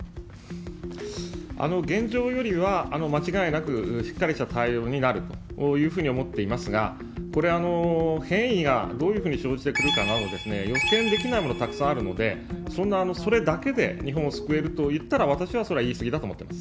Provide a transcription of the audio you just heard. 現状よりは間違いなくしっかりした対応になるというふうに思っていますが、これ、変異がどういうふうに生じてくるかなど、予見できないものもたくさんあるので、そんなそれだけで日本を救えるといったら、私はそれは言い過ぎだと思っています。